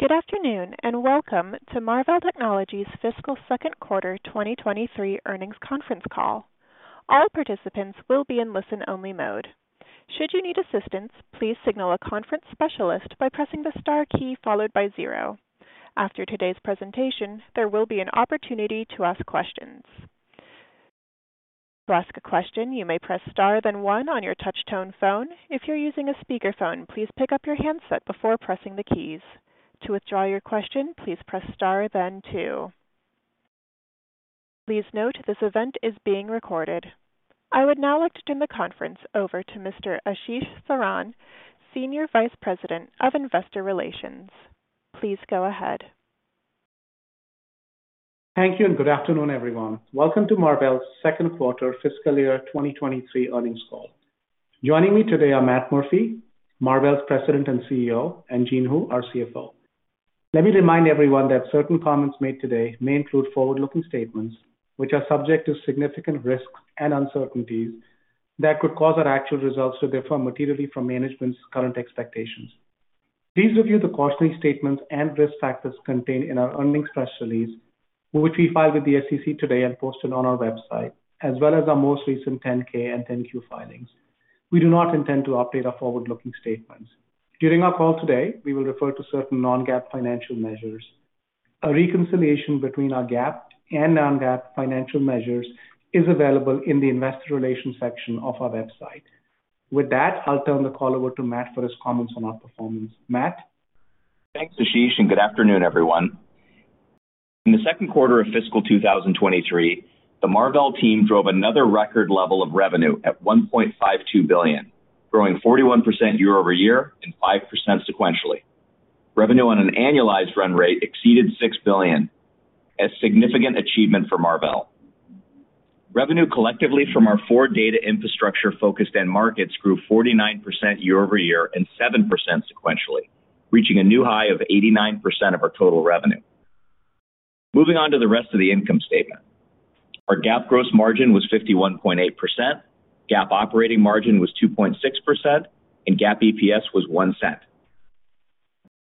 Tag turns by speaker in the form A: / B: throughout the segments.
A: Good afternoon, and welcome to Marvell Technology Fiscal Second Quarter 2023 Earnings Conference Call. All participants will be in listen-only mode. Should you need assistance, please signal a conference specialist by pressing the star key followed by zero. After today's presentation, there will be an opportunity to ask questions. To ask a question, you may press star then one on your touch-tone phone. If you're using a speakerphone, please pick up your handset before pressing the keys. To withdraw your question, please press star then two. Please note this event is being recorded. I would now like to turn the conference over to Mr. Ashish Saran, Senior Vice President of Investor Relations. Please go ahead.
B: Thank you and good afternoon, everyone. Welcome to Marvell's Second Quarter Fiscal Year 2023 Earnings Call. Joining me today are Matt Murphy, Marvell's President and CEO, and Jean Hu, our CFO. Let me remind everyone that certain comments made today may include forward-looking statements which are subject to significant risks and uncertainties that could cause our actual results to differ materially from management's current expectations. Please review the cautionary statements and risk factors contained in our earnings press release, which we filed with the SEC today and posted on our website, as well as our most recent Form 10-K and Form 10-Q filings. We do not intend to update our forward-looking statements. During our call today, we will refer to certain non-GAAP financial measures. A reconciliation between our GAAP and non-GAAP financial measures is available in the investor relations section of our website. With that, I'll turn the call over to Matt for his comments on our performance. Matt?
C: Thanks, Ashish, and good afternoon, everyone. In the second quarter of fiscal 2023, the Marvell team drove another record level of revenue at $1.52 billion, growing 41% year-over-year and 5% sequentially. Revenue on an annualized run rate exceeded $6 billion, a significant achievement for Marvell. Revenue collectively from our four data infrastructure-focused end markets grew 49% year-over-year and 7% sequentially, reaching a new high of 89% of our total revenue. Moving on to the rest of the income statement. Our GAAP gross margin was 51.8%, GAAP operating margin was 2.6%, and GAAP EPS was $0.01.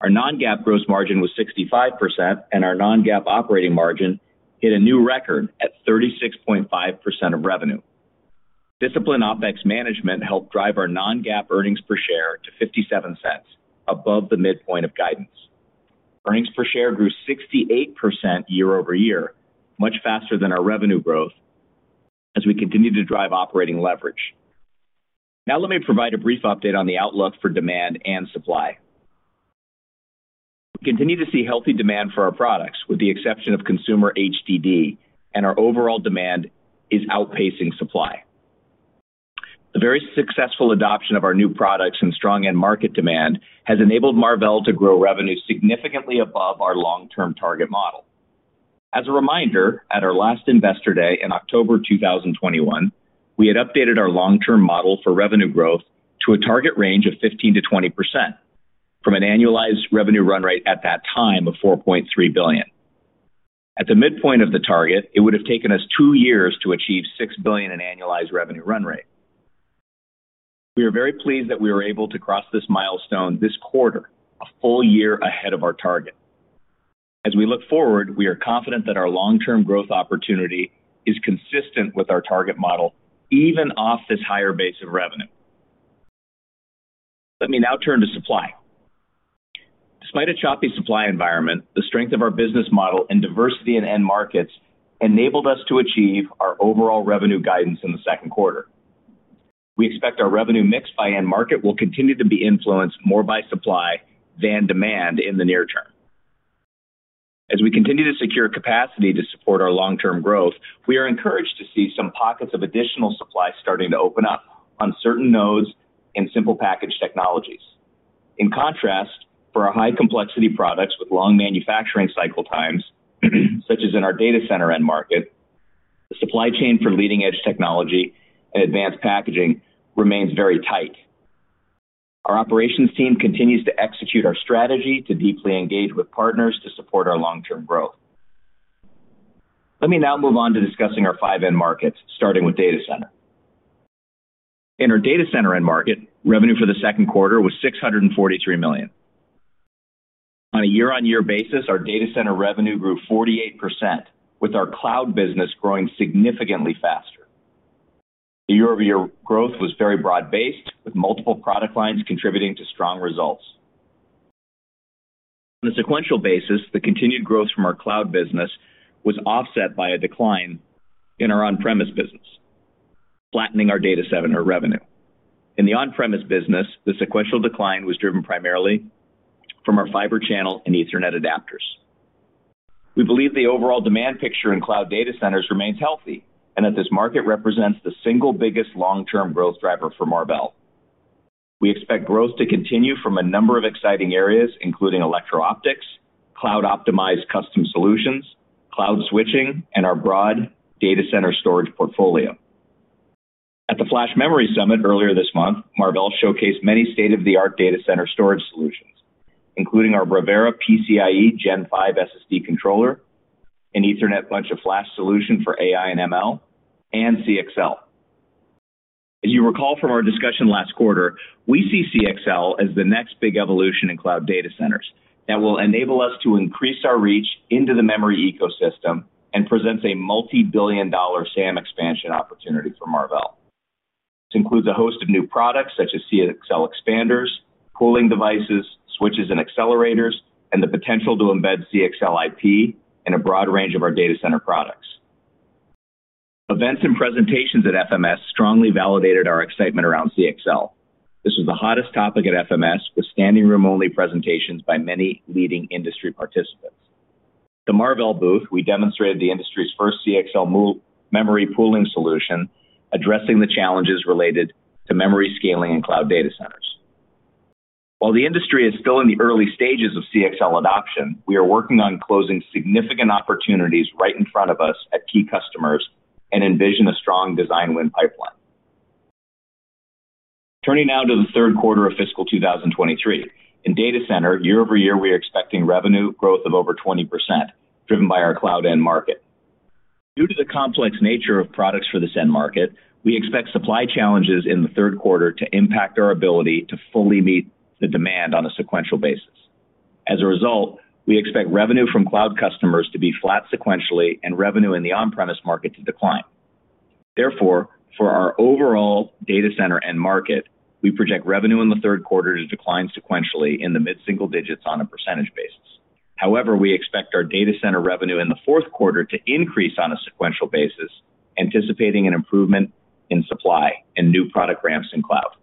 C: Our non-GAAP gross margin was 65%, and our non-GAAP operating margin hit a new record at 36.5% of revenue. Disciplined OpEx management helped drive our non-GAAP earnings per share to $0.57 above the midpoint of guidance. Earnings per share grew 68% year-over-year, much faster than our revenue growth as we continue to drive operating leverage. Now let me provide a brief update on the outlook for demand and supply. We continue to see healthy demand for our products with the exception of consumer HDD, and our overall demand is outpacing supply. The very successful adoption of our new products and strong end market demand has enabled Marvell to grow revenue significantly above our long-term target model. As a reminder, at our last Investor Day in October 2021, we had updated our long-term model for revenue growth to a target range of 15%-20% from an annualized revenue run rate at that time of $4.3 billion. At the midpoint of the target, it would have taken us two years to achieve $6 billion in annualized revenue run rate. We are very pleased that we were able to cross this milestone this quarter, a full year ahead of our target. As we look forward, we are confident that our long-term growth opportunity is consistent with our target model, even off this higher base of revenue. Let me now turn to supply. Despite a choppy supply environment, the strength of our business model and diversity in end markets enabled us to achieve our overall revenue guidance in the second quarter. We expect our revenue mix by end market will continue to be influenced more by supply than demand in the near term. As we continue to secure capacity to support our long-term growth, we are encouraged to see some pockets of additional supply starting to open up on certain nodes in simple package technologies. In contrast, for our high-complexity products with long manufacturing cycle times, such as in our data center end market, the supply chain for leading-edge technology and advanced packaging remains very tight. Our operations team continues to execute our strategy to deeply engage with partners to support our long-term growth. Let me now move on to discussing our five end markets, starting with data center. In our data center end market, revenue for the second quarter was $643 million. On a year-over-year basis, our data center revenue grew 48%, with our cloud business growing significantly faster. The year-over-year growth was very broad-based, with multiple product lines contributing to strong results. On a sequential basis, the continued growth from our cloud business was offset by a decline in our on-premise business, flattening our data center revenue. In the on-premise business, the sequential decline was driven primarily from our Fibre Channel and Ethernet adapters. We believe the overall demand picture in cloud data centers remains healthy and that this market represents the single biggest long-term growth driver for Marvell. We expect growth to continue from a number of exciting areas, including electro optics, cloud-optimized custom solutions, cloud switching, and our broad data center storage portfolio. At the Flash Memory Summit earlier this month, Marvell showcased many state-of-the-art data center storage solutions, including our Bravera PCIe Gen 5 SSD controller, an Ethernet Bunch of Flash Solution for AI and ML, and CXL. As you recall from our discussion last quarter, we see CXL as the next big evolution in cloud data centers that will enable us to increase our reach into the memory ecosystem and presents a multi-billion-dollar SAM expansion opportunity for Marvell. This includes a host of new products such as CXL expanders, pooling devices, switches and accelerators, and the potential to embed CXL IP in a broad range of our data center products. Events and presentations at FMS strongly validated our excitement around CXL. This was the hottest topic at FMS, with standing room only presentations by many leading industry participants. the Marvell booth, we demonstrated the industry's first CXL memory pooling solution, addressing the challenges related to memory scaling and cloud data centers. While the industry is still in the early stages of CXL adoption, we are working on closing significant opportunities right in front of us at key customers and envision a strong design win pipeline. Turning now to the third quarter of fiscal 2023. In data center, year-over-year, we are expecting revenue growth of over 20%, driven by our cloud end market. Due to the complex nature of products for this end market, we expect supply challenges in the third quarter to impact our ability to fully meet the demand on a sequential basis. As a result, we expect revenue from cloud customers to be flat sequentially and revenue in the on-premise market to decline. Therefore, for our overall data center end market, we project revenue in the third quarter to decline sequentially in the mid-single digits on a percentage base. However, we expect our data center revenue in the fourth quarter to increase on a sequential basis, anticipating an improvement in supply and new product ramps in cloud.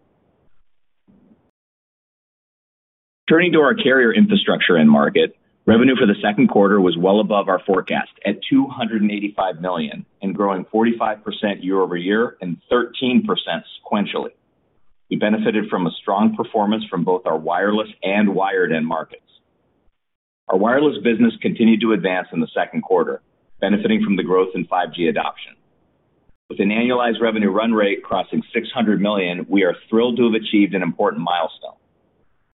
C: Turning to our carrier infrastructure end market, revenue for the second quarter was well above our forecast at $285 million and growing 45% year-over-year and 13% sequentially. We benefited from a strong performance from both our wireless and wired end markets. Our wireless business continued to advance in the second quarter, benefiting from the growth in 5G adoption. With an annualized revenue run rate crossing $600 million, we are thrilled to have achieved an important milestone.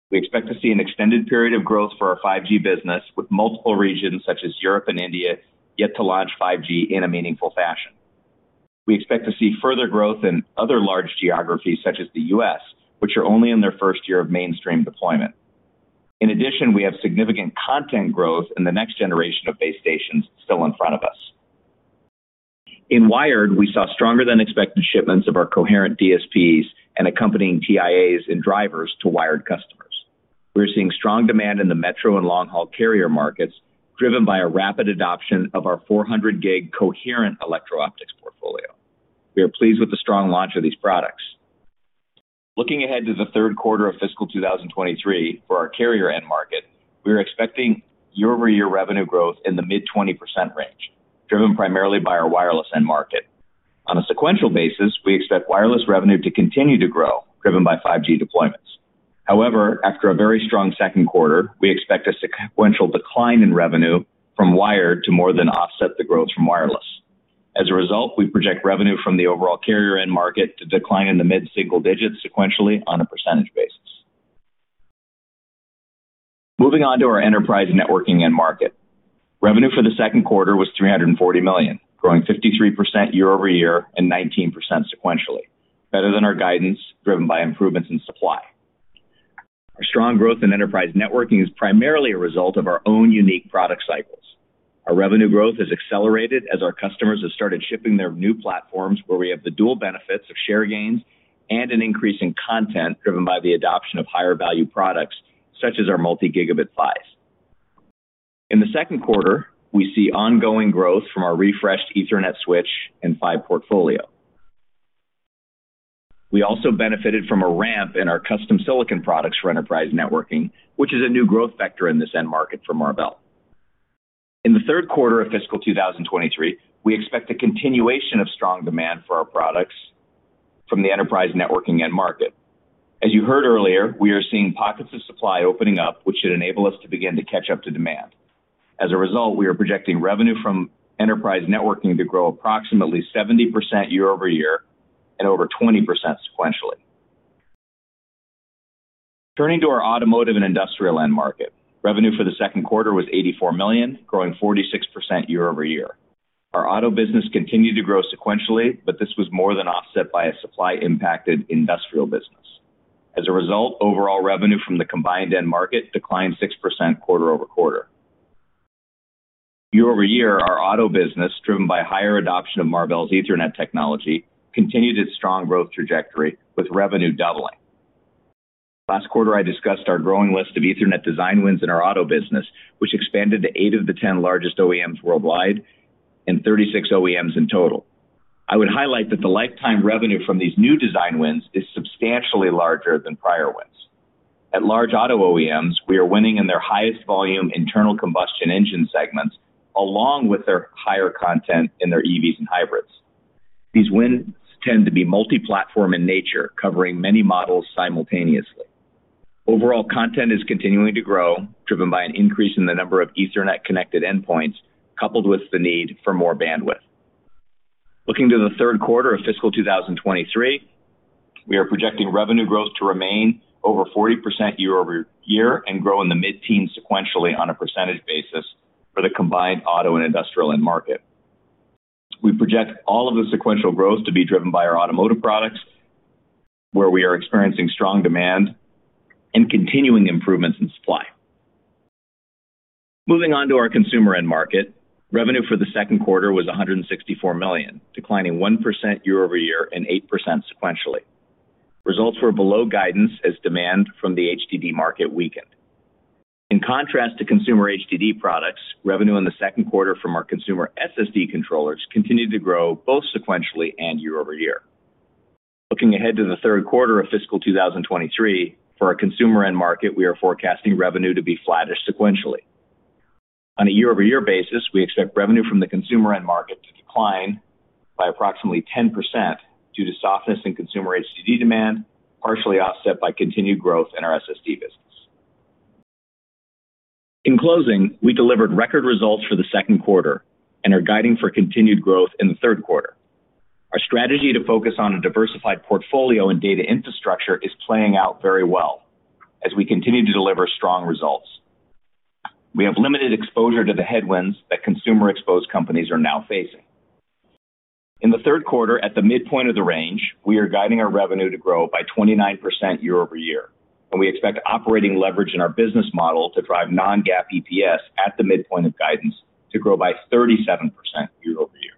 C: We expect to see an extended period of growth for our 5G business, with multiple regions such as Europe and India yet to launch 5G in a meaningful fashion. We expect to see further growth in other large geographies such as the U.S., which are only in their first year of mainstream deployment. In addition, we have significant content growth in the next generation of base stations still in front of us. In wired, we saw stronger than expected shipments of our coherent DSPs and accompanying TIAs and drivers to wired customers. We are seeing strong demand in the metro and long-haul carrier markets, driven by a rapid adoption of our 400 gig coherent electro optics portfolio. We are pleased with the strong launch of these products. Looking ahead to the third quarter of fiscal 2023 for our carrier end market, we are expecting year-over-year revenue growth in the mid-20% range, driven primarily by our wireless end market. On a sequential basis, we expect wireless revenue to continue to grow, driven by 5G deployments. However, after a very strong second quarter, we expect a sequential decline in revenue from wired to more than offset the growth from wireless. As a result, we project revenue from the overall carrier end market to decline in the mid-single digits sequentially on a percentage basis. Moving on to our enterprise networking end market. Revenue for the second quarter was $340 million, growing 53% year-over-year and 19% sequentially, better than our guidance driven by improvements in supply. Our strong growth in enterprise networking is primarily a result of our own unique product cycles. Our revenue growth has accelerated as our customers have started shipping their new platforms where we have the dual benefits of share gains and an increase in content driven by the adoption of higher value products such as our multi-gigabit PHYs. In the second quarter, we see ongoing growth from our refreshed Ethernet switch and PHY portfolio. We also benefited from a ramp in our custom silicon products for enterprise networking, which is a new growth vector in this end market for Marvell. In the third quarter of fiscal 2023, we expect a continuation of strong demand for our products from the enterprise networking end market. As you heard earlier, we are seeing pockets of supply opening up, which should enable us to begin to catch up to demand. As a result, we are projecting revenue from enterprise networking to grow approximately 70% year-over-year and over 20% sequentially. Turning to our automotive and industrial end market. Revenue for the second quarter was $84 million, growing 46% year-over-year. Our auto business continued to grow sequentially, but this was more than offset by a supply-impacted industrial business. As a result, overall revenue from the combined end market declined 6% quarter-over-quarter. Year-over-year, our auto business, driven by higher adoption of Marvell's Ethernet technology, continued its strong growth trajectory with revenue doubling. Last quarter, I discussed our growing list of Ethernet design wins in our auto business, which expanded to eight of the 10 largest OEMs worldwide and 36 OEMs in total. I would highlight that the lifetime revenue from these new design wins is substantially larger than prior wins. At large auto OEMs, we are winning in their highest volume internal combustion engine segments, along with their higher content in their EVs and hybrids. These wins tend to be multi-platform in nature, covering many models simultaneously. Overall content is continuing to grow, driven by an increase in the number of Ethernet-connected endpoints coupled with the need for more bandwidth. Looking to the third quarter of fiscal 2023, we are projecting revenue growth to remain over 40% year-over-year and grow in the mid-teen sequentially on a percentage basis. For the combined auto and industrial end market. We project all of the sequential growth to be driven by our automotive products, where we are experiencing strong demand and continuing improvements in supply. Moving on to our consumer end market, revenue for the second quarter was $164 million, declining 1% year-over-year and 8% sequentially. Results were below guidance as demand from the HDD market weakened. In contrast to consumer HDD products, revenue in the second quarter from our consumer SSD controllers continued to grow both sequentially and year-over-year. Looking ahead to the third quarter of fiscal 2023, for our consumer end market, we are forecasting revenue to be flattish sequentially. On a year-over-year basis, we expect revenue from the consumer end market to decline by approximately 10% due to softness in consumer HDD demand, partially offset by continued growth in our SSD business. In closing, we delivered record results for the second quarter and are guiding for continued growth in the third quarter. Our strategy to focus on a diversified portfolio and data infrastructure is playing out very well as we continue to deliver strong results. We have limited exposure to the headwinds that consumer exposed companies are now facing. In the third quarter, at the midpoint of the range, we are guiding our revenue to grow by 29% year over year, and we expect operating leverage in our business model to drive non-GAAP EPS at the midpoint of guidance to grow by 37% year over year.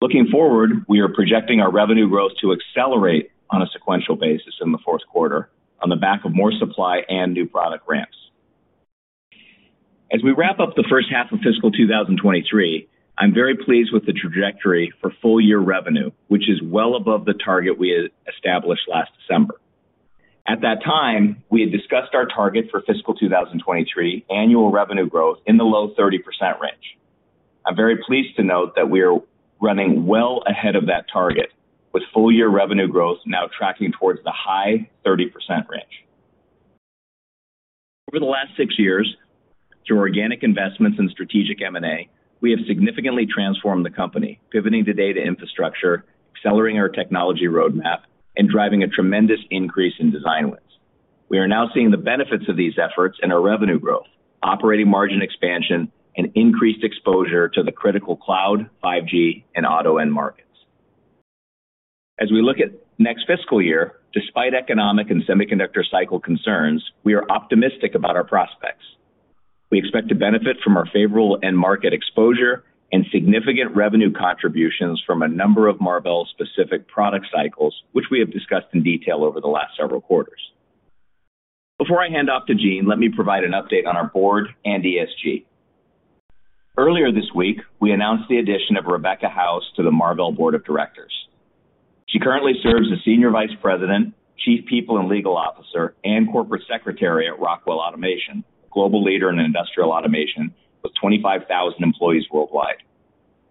C: Looking forward, we are projecting our revenue growth to accelerate on a sequential basis in the fourth quarter on the back of more supply and new product ramps. As we wrap up the first half of fiscal 2023, I'm very pleased with the trajectory for full year revenue, which is well above the target we established last December. At that time, we had discussed our target for fiscal 2023 annual revenue growth in the low 30% range. I'm very pleased to note that we are running well ahead of that target, with full year revenue growth now tracking towards the high 30% range. Over the last six years, through organic investments in strategic M&A, we have significantly transformed the company, pivoting to data infrastructure, accelerating our technology roadmap, and driving a tremendous increase in design wins. We are now seeing the benefits of these efforts in our revenue growth, operating margin expansion, and increased exposure to the critical cloud, 5G, and auto end markets. As we look at next fiscal year, despite economic and semiconductor cycle concerns, we are optimistic about our prospects. We expect to benefit from our favorable end market exposure and significant revenue contributions from a number of Marvell-specific product cycles, which we have discussed in detail over the last several quarters. Before I hand off to Jean, let me provide an update on our board and ESG. Earlier this week, we announced the addition of Rebecca House to the Marvell Board of Directors. She currently serves as Senior Vice President, Chief People and Legal Officer, and Corporate Secretary at Rockwell Automation, global leader in industrial automation with 25,000 employees worldwide.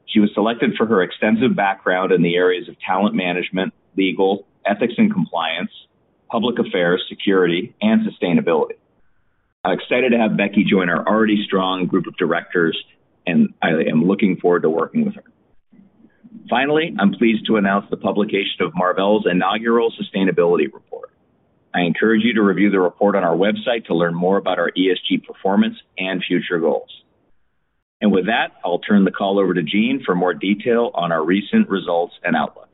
C: She was selected for her extensive background in the areas of talent management, legal, ethics and compliance, public affairs, security, and sustainability. I'm excited to have Becky join our already strong group of directors, and I am looking forward to working with her. Finally, I'm pleased to announce the publication of Marvell's inaugural sustainability report. I encourage you to review the report on our website to learn more about our ESG performance and future goals. With that, I'll turn the call over to Jean for more detail on our recent results and outlook.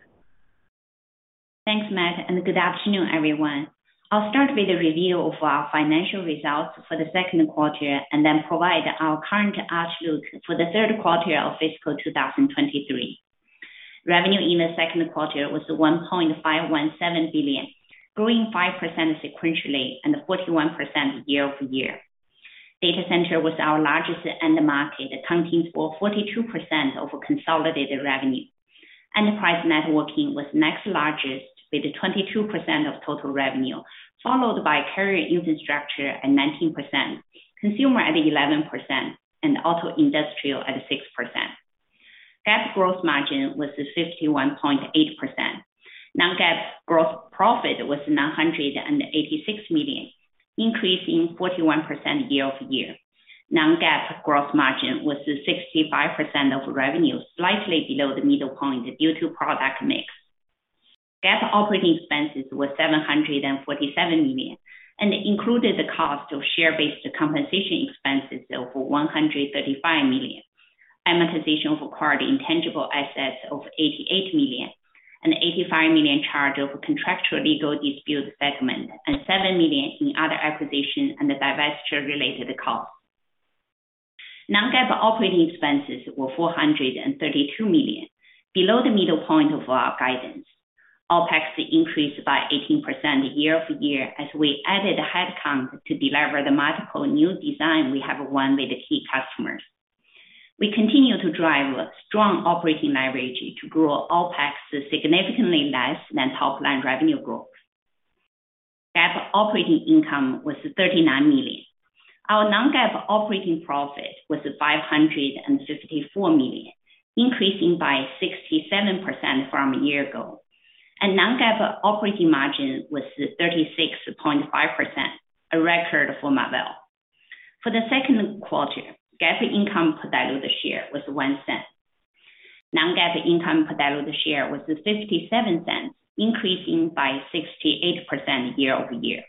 D: Thanks, Matt, and good afternoon, everyone. I'll start with the review of our financial results for the second quarter and then provide our current outlook for the third quarter of fiscal 2023. Revenue in the second quarter was $1.517 billion, growing 5% sequentially and 41% year-over-year. Data center was our largest end market, accounting for 42% of consolidated revenue. Enterprise networking was next largest with 22% of total revenue, followed by carrier infrastructure at 19%, consumer at 11%, and auto industrial at 6%. GAAP gross margin was 51.8%. Non-GAAP gross profit was $986 million, increasing 41% year-over-year. Non-GAAP gross margin was 65% of revenue, slightly below the midpoint due to product mix. GAAP operating expenses were $747 million and included the cost of share-based compensation expenses of $135 million, amortization of acquired intangible assets of $88 million, an $85 million charge over contractual legal dispute settlement, and $7 million in other acquisition and divestiture related costs. Non-GAAP operating expenses were $432 million, below the middle point of our guidance. OpEx increased by 18% year-over-year as we added headcount to deliver the multiple new design we have won with the key customers. We continue to drive strong operating leverage to grow OpEx significantly less than top line revenue growth. GAAP operating income was $39 million. Our non-GAAP operating profit was $554 million, increasing by 67% from a year ago. Non-GAAP operating margin was 36.5%, a record for Marvell. For the second quarter, GAAP income per diluted share was $0.01. non-GAAP income per diluted share was $0.57, increasing by 68% year-over-year.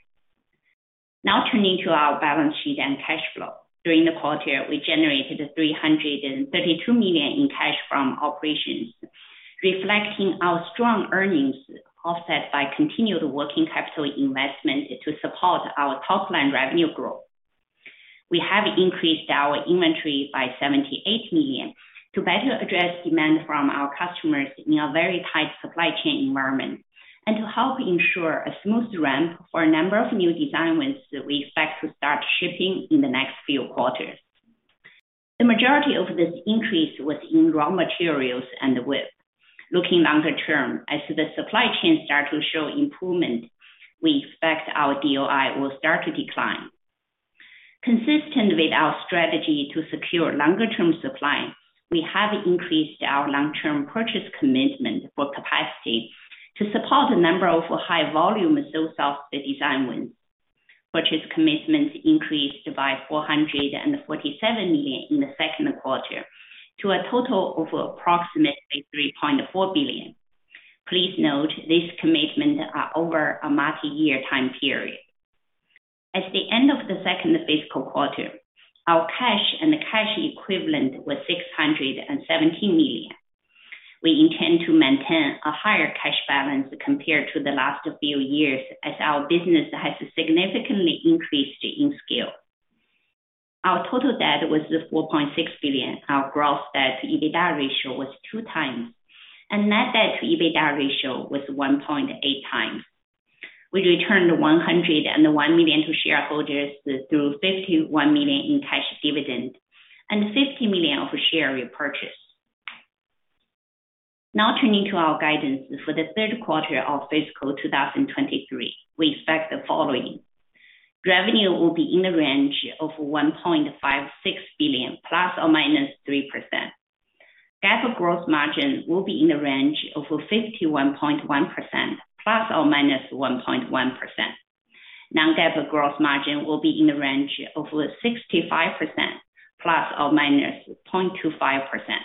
D: Now turning to our balance sheet and cash flow. During the quarter, we generated $332 million in cash from operations, reflecting our strong earnings offset by continued working capital investment to support our top line revenue growth. We have increased our inventory by $78 million to better address demand from our customers in a very tight supply chain environment, and to help ensure a smooth ramp for a number of new design wins that we expect to start shipping in the next few quarters. The majority of this increase was in raw materials and WIP. Looking longer term, as the supply chain start to show improvement, we expect our DOI will start to decline. Consistent with our strategy to secure longer term supply, we have increased our long-term purchase commitment for capacity to support a number of high-volume sole-sourced design wins. Purchase commitments increased by $447 million in the second quarter to a total of approximately $3.4 billion. Please note these commitments are over a multi-year time period. At the end of the second fiscal quarter, our cash and cash equivalent was $617 million. We intend to maintain a higher cash balance compared to the last few years as our business has significantly increased in scale. Our total debt was $4.6 billion. Our gross debt to EBITDA ratio was 2x, and net debt to EBITDA ratio was 1.8x. We returned $101 million to shareholders through $51 million in cash dividend and $50 million of share repurchase. Now turning to our guidance for the third quarter of fiscal 2023, we expect the following. Revenue will be in the range of $1.56 billion ± 3%. GAAP gross margin will be in the range of 51.1% ± 1.1%. Non-GAAP gross margin will be in the range of 65% ± 0.25%.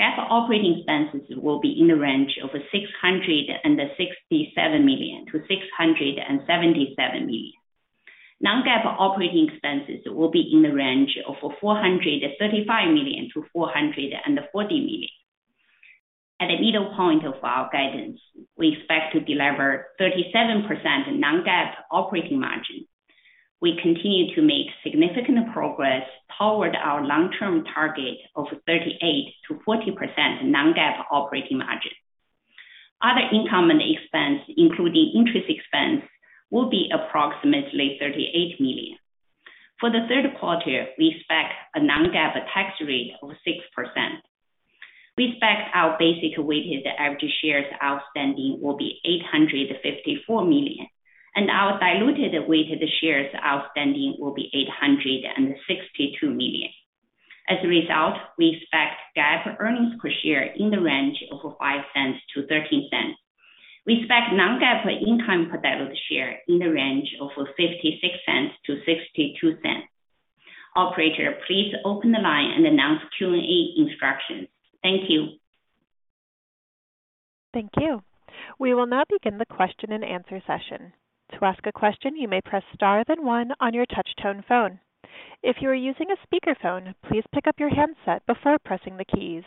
D: GAAP operating expenses will be in the range of $667 million-$677 million. Non-GAAP operating expenses will be in the range of $435 million-$440 million. At the midpoint of our guidance, we expect to deliver 37% non-GAAP operating margin. We continue to make significant progress toward our long-term target of 38%-40% non-GAAP operating margin. Other income and expense, including interest expense, will be approximately $38 million. For the third quarter, we expect a non-GAAP tax rate of 6%. We expect our basic weighted average shares outstanding will be 854 million, and our diluted weighted shares outstanding will be 862 million. As a result, we expect GAAP earnings per share in the range of $0.05-$0.13. We expect non-GAAP income per diluted share in the range of $0.56-$0.62. Operator, please open the line and announce Q&A instructions. Thank you.
A: Thank you. We will now begin the question and answer session. To ask a question, you may press star then one on your touch tone phone. If you are using a speaker phone, please pick up your handset before pressing the keys.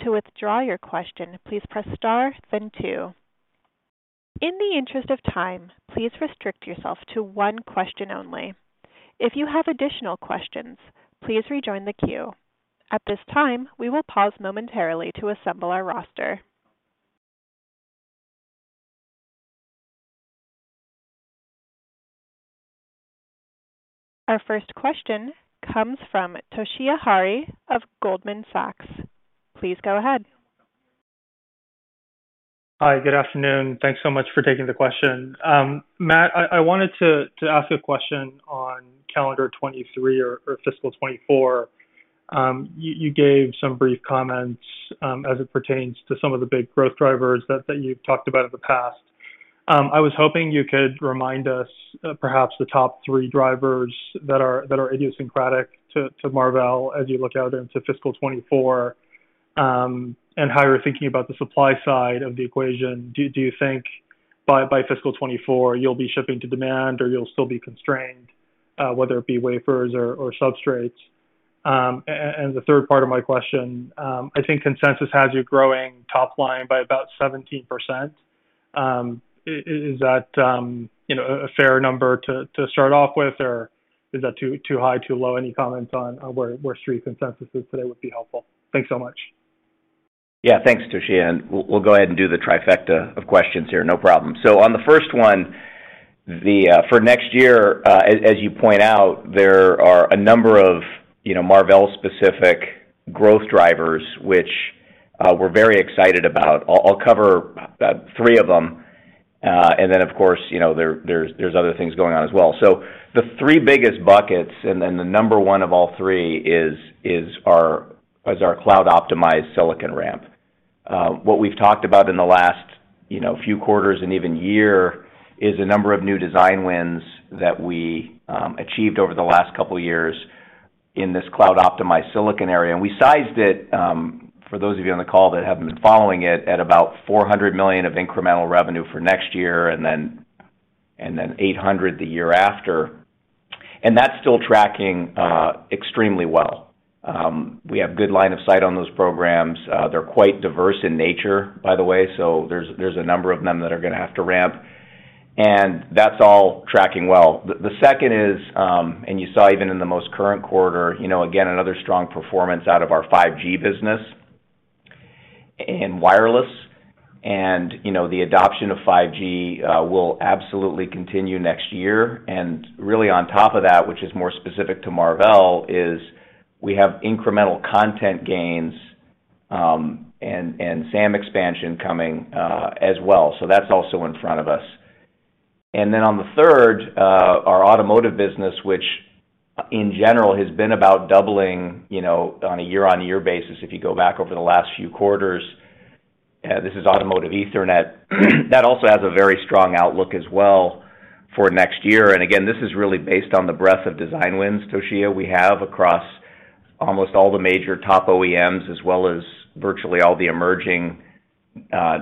A: To withdraw your question, please press star then two. In the interest of time, please restrict yourself to one question only. If you have additional questions, please rejoin the queue. At this time, we will pause momentarily to assemble our roster. Our first question comes from Toshiya Hari of Goldman Sachs. Please go ahead.
E: Hi. Good afternoon. Thanks so much for taking the question. Matt, I wanted to ask a question on calendar 2023 or fiscal 2024. You gave some brief comments as it pertains to some of the big growth drivers that you've talked about in the past. I was hoping you could remind us perhaps the top three drivers that are idiosyncratic to Marvell as you look out into fiscal 2024, and how you're thinking about the supply side of the equation. Do you think by fiscal 2024 you'll be shipping to demand or you'll still be constrained, whether it be wafers or substrates? The third part of my question, I think consensus has you growing top line by about 17%. Is that, you know, a fair number to start off with, or is that too high, too low? Any comments on where Street consensus is today would be helpful. Thanks so much.
C: Yeah. Thanks, Toshiya. We'll go ahead and do the trifecta of questions here. No problem. On the first one, for next year, as you point out, there are a number of, you know, Marvell specific growth drivers which we're very excited about. I'll cover three of them. Then of course, you know, there's other things going on as well. The three biggest buckets, and then the number one of all three is our cloud optimized silicon ramp. What we've talked about in the last, you know, few quarters and even year is a number of new design wins that we achieved over the last couple years in this cloud-optimized silicon area. We sized it for those of you on the call that haven't been following it at about $400 million of incremental revenue for next year and then $800 million the year after. That's still tracking extremely well. We have good line of sight on those programs. They're quite diverse in nature, by the way, so there's a number of them that are gonna have to ramp, and that's all tracking well. The second is, and you saw even in the most current quarter, you know, again, another strong performance out of our 5G business in wireless. You know, the adoption of 5G will absolutely continue next year. Really on top of that, which is more specific to Marvell, is we have incremental content gains and SAM expansion coming as well. That's also in front of us. On the third, our automotive business, which, in general, has been about doubling, you know, on a year-on-year basis if you go back over the last few quarters. This is automotive Ethernet. That also has a very strong outlook as well for next year. And again, this is really based on the breadth of design wins, Toshiya, we have across almost all the major top OEMs as well as virtually all the emerging,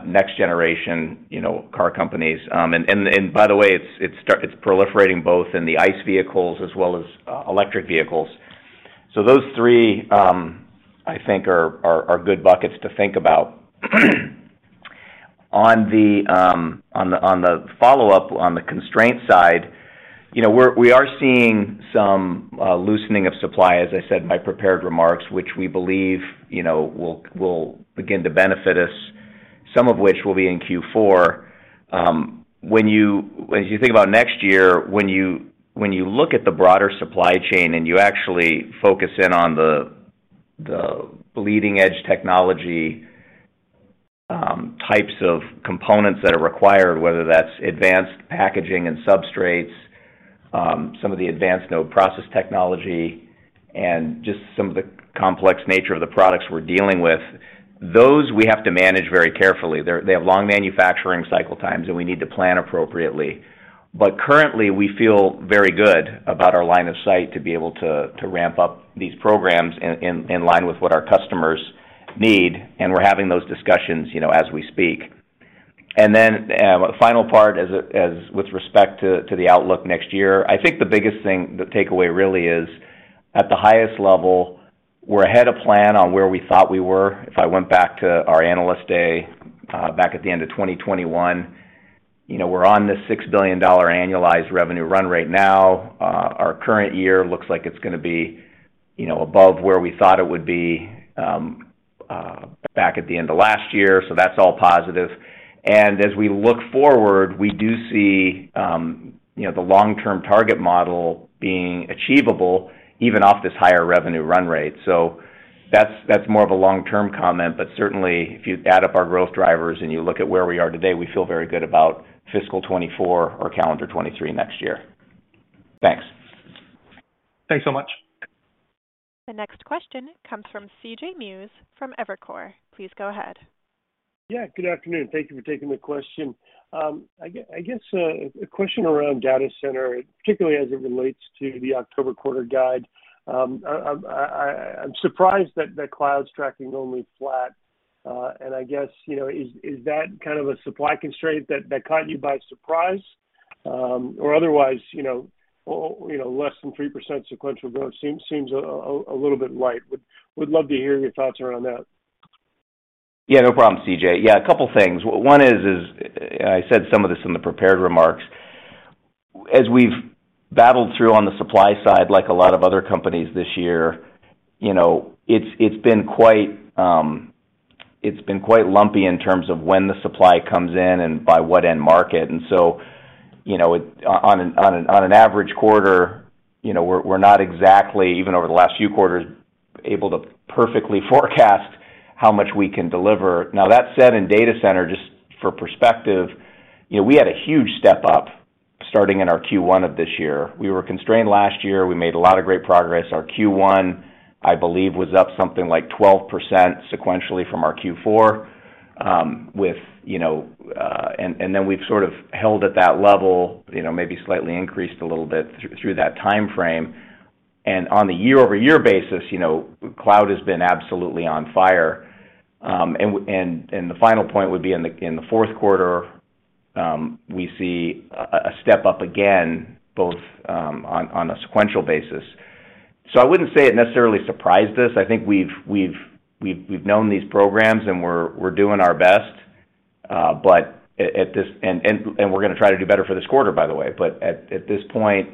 C: next generation, you know, car companies. And by the way, it's proliferating both in the ICE vehicles as well as electric vehicles. Those three, I think are good buckets to think about. On the follow-up, on the constraint side, you know, we are seeing some loosening of supply, as I said in my prepared remarks, which we believe, you know, will begin to benefit us, some of which will be in Q4. When you, as you think about next year, when you look at the broader supply chain and you actually focus in on the leading-edge technology types of components that are required, whether that's advanced packaging and substrates, some of the advanced node process technology, and just some of the complex nature of the products we're dealing with, those we have to manage very carefully. They have long manufacturing cycle times, and we need to plan appropriately. Currently, we feel very good about our line of sight to be able to ramp up these programs in line with what our customers need, and we're having those discussions, you know, as we speak. Final part with respect to the outlook next year, I think the biggest thing, the takeaway really is, at the highest level, we're ahead of plan on where we thought we were. If I went back to our Analyst Day, back at the end of 2021, you know, we're on this $6 billion annualized revenue run rate now. Our current year looks like it's gonna be, you know, above where we thought it would be, back at the end of last year. That's all positive. As we look forward, we do see, you know, the long-term target model being achievable even off this higher revenue run rate. That's more of a long-term comment, but certainly if you add up our growth drivers and you look at where we are today, we feel very good about fiscal 2024 or calendar 2023 next year. Thanks.
E: Thanks so much.
A: The next question comes from CJ Muse from Evercore. Please go ahead.
F: Yeah, good afternoon. Thank you for taking the question. I guess a question around data center, particularly as it relates to the October quarter guide. I'm surprised that cloud's tracking only flat. I guess, you know, is that kind of a supply constraint that caught you by surprise? Otherwise, you know, less than 3% sequential growth seems a little bit light. Would love to hear your thoughts around that.
C: Yeah, no problem, CJ. Yeah, a couple things. One is, I said some of this in the prepared remarks. As we've battled through on the supply side, like a lot of other companies this year, you know, it's been quite lumpy in terms of when the supply comes in and by what end market. You know, on an average quarter, you know, we're not exactly, even over the last few quarters, able to perfectly forecast how much we can deliver. Now, that said, in data center, just for perspective, you know, we had a huge step up starting in our Q1 of this year. We were constrained last year. We made a lot of great progress. Our Q1, I believe, was up something like 12% sequentially from our Q4, with, you know, and then we've sort of held at that level, you know, maybe slightly increased a little bit through that timeframe. On a year-over-year basis, you know, cloud has been absolutely on fire. The final point would be in the fourth quarter, we see a step-up again, both on a sequential basis. I wouldn't say it necessarily surprised us. I think we've known these programs, and we're doing our best. We're gonna try to do better for this quarter, by the way. But at this point,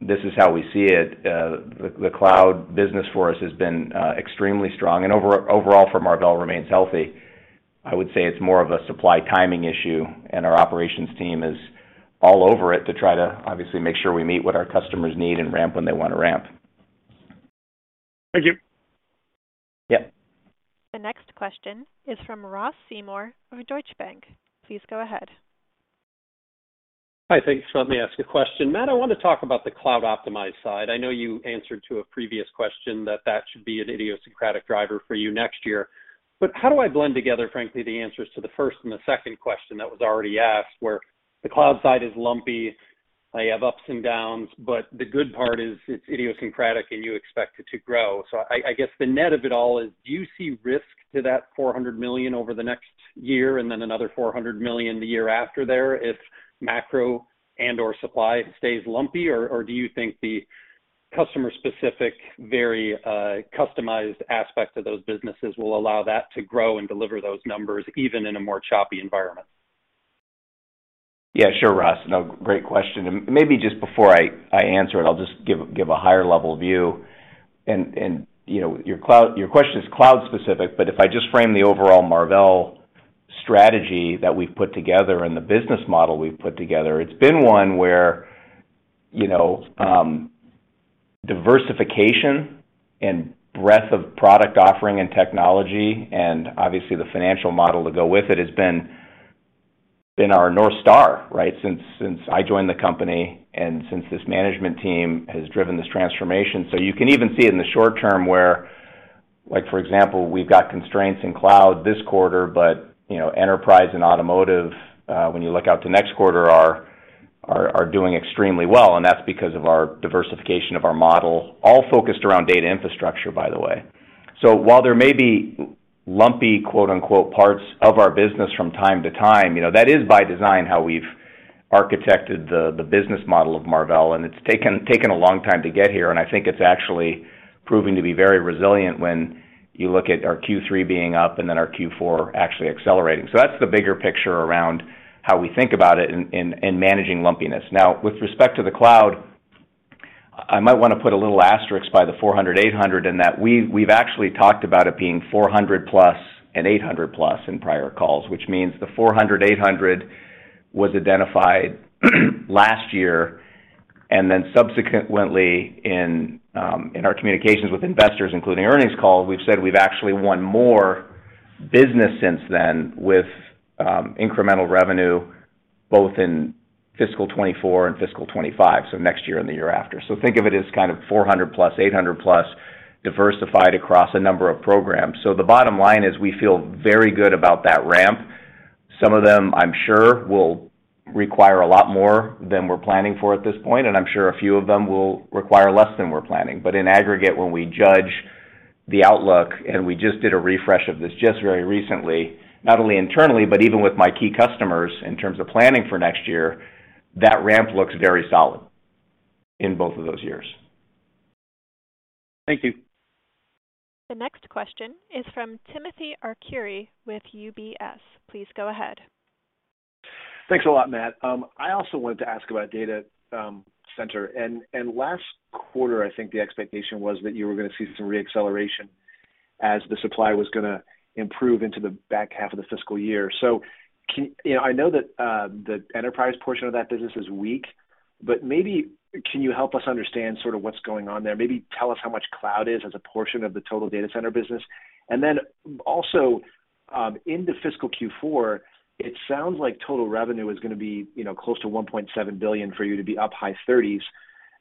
C: this is how we see it. The cloud business for us has been extremely strong and overall for Marvell remains healthy. I would say it's more of a supply timing issue, and our operations team is all over it to try to obviously make sure we meet what our customers need and ramp when they wanna ramp.
F: Thank you.
C: Yeah.
A: The next question is from Ross Seymore of Deutsche Bank. Please go ahead.
G: Hi, thanks for letting me ask a question. Matt, I wanna talk about the cloud-optimized side. I know you answered to a previous question that that should be an idiosyncratic driver for you next year. How do I blend together, frankly, the answers to the first and the second question that was already asked, where the cloud side is lumpy, I have ups and downs, but the good part is it's idiosyncratic and you expect it to grow. I guess the net of it all is, do you see risk to that $400 million over the next year and then another $400 million the year after that if macro and/or supply stays lumpy? Or do you think the customer-specific, very, customized aspects of those businesses will allow that to grow and deliver those numbers even in a more choppy environment?
C: Yeah, sure, Ross. No, great question. Maybe just before I answer it, I'll just give a higher level view. You know, your question is cloud specific, but if I just frame the overall Marvell strategy that we've put together and the business model we've put together, it's been one where, you know, diversification and breadth of product offering and technology, and obviously the financial model to go with it, has been our North Star, right? Since I joined the company and since this management team has driven this transformation. You can even see it in the short term where, like, for example, we've got constraints in cloud this quarter, but, you know, enterprise and automotive, when you look out to next quarter are doing extremely well, and that's because of our diversification of our model, all focused around data infrastructure, by the way. While there may be lumpy, quote-unquote, parts of our business from time to time, you know, that is by design how we've architected the business model of Marvell, and it's taken a long time to get here, and I think it's actually proving to be very resilient when you look at our Q3 being up and then our Q4 actually accelerating. That's the bigger picture around how we think about it in managing lumpiness. Now, with respect to the cloud, I might wanna put a little asterisk by the 400/800 in that we've actually talked about it being 400+ and 800+ in prior calls, which means the 400/800 was identified last year, and then subsequently in our communications with investors, including earnings call, we've said we've actually won more business since then with incremental revenue both in fiscal 2024 and fiscal 2025, so next year and the year after. Think of it as kind of 400+, 800+ diversified across a number of programs. The bottom line is we feel very good about that ramp. Some of them, I'm sure, will require a lot more than we're planning for at this point, and I'm sure a few of them will require less than we're planning. In aggregate, when we judge the outlook, and we just did a refresh of this just very recently, not only internally, but even with my key customers in terms of planning for next year, that ramp looks very solid in both of those years.
G: Thank you.
A: The next question is from Timothy Arcuri with UBS. Please go ahead.
H: Thanks a lot, Matt. I also wanted to ask about data center. Last quarter, I think the expectation was that you were gonna see some re-acceleration as the supply was gonna improve into the back half of the fiscal year. You know, I know that the enterprise portion of that business is weak, but maybe can you help us understand sort of what's going on there? Maybe tell us how much cloud is as a portion of the total data center business. Then also, in the fiscal Q4, it sounds like total revenue is gonna be, you know, close to $1.7 billion for you to be up high 30s,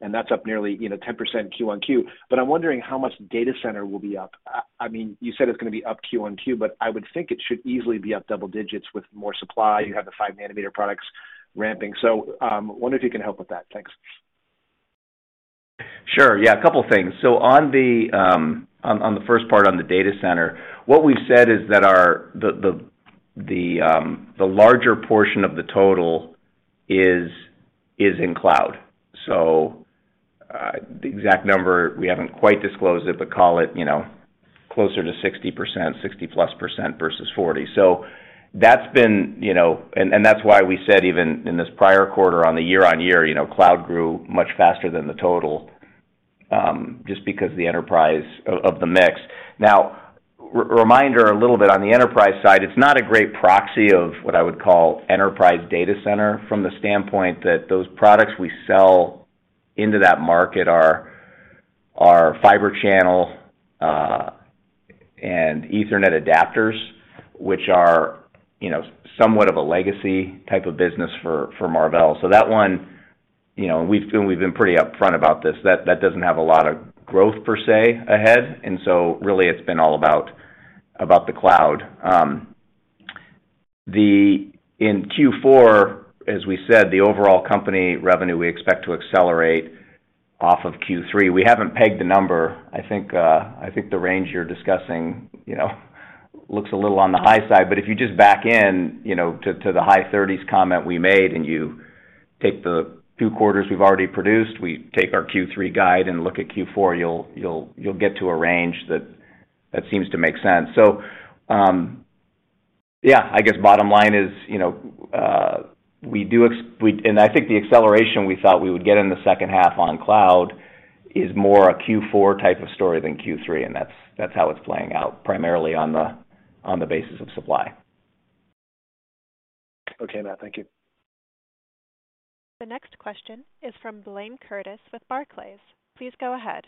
H: and that's up nearly, you know, 10% Q/Q. I'm wondering how much data center will be up. I mean, you said it's gonna be up Q/Q, but I would think it should easily be up double digits with more supply. You have the 5 nanometer products ramping. Wonder if you can help with that. Thanks.
C: Sure. Yeah, a couple of things. On the first part on the data center, what we've said is that the larger portion of the total is in cloud. The exact number, we haven't quite disclosed it, but call it, you know, closer to 60%, 60+% versus 40%. That's been, you know, and that's why we said even in this prior quarter on the year-on-year, you know, cloud grew much faster than the total, just because the enterprise of the mix. Now, reminder a little bit on the enterprise side, it's not a great proxy of what I would call enterprise data center from the standpoint that those products we sell into that market are Fibre Channel and Ethernet adapters, which are, you know, somewhat of a legacy type of business for Marvell. That one, you know, and we've been pretty upfront about this. That doesn't have a lot of growth per se ahead, really it's been all about the cloud. In Q4, as we said, the overall company revenue we expect to accelerate off of Q3. We haven't pegged the number. I think the range you're discussing, you know, looks a little on the high side. If you just back into, you know, the high 30s comment we made and you take the two quarters we've already produced, we take our Q3 guide and look at Q4, you'll get to a range that seems to make sense. Yeah, I guess bottom line is, you know, and I think the acceleration we thought we would get in the second half on cloud is more a Q4 type of story than Q3, and that's how it's playing out, primarily on the basis of supply.
H: Okay, Matt. Thank you.
A: The next question is from Blayne Curtis with Barclays. Please go ahead.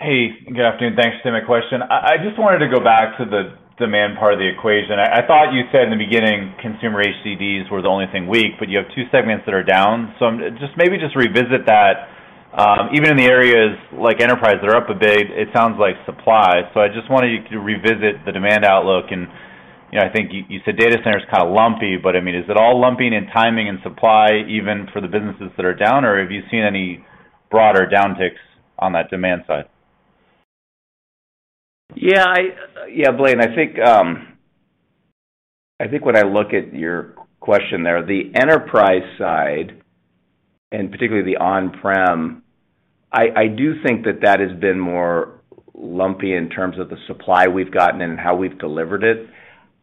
I: Hey, good afternoon. Thanks for taking my question. I just wanted to go back to the demand part of the equation. I thought you said in the beginning, consumer HDDs were the only thing weak, but you have two segments that are down. Just maybe just revisit that, even in the areas like enterprise that are up a bit, it sounds like supply. I just wanted you to revisit the demand outlook. You know, I think you said data center is kind of lumpy, but I mean, is it all lumping in timing and supply even for the businesses that are down, or have you seen any broader downticks on that demand side?
C: Yeah, Blayne, I think when I look at your question there, the enterprise side, and particularly the on-prem, I do think that has been more lumpy in terms of the supply we've gotten and how we've delivered it.